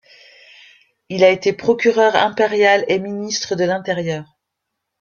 Il a été procureur impérial et ministre de l'Intérieur.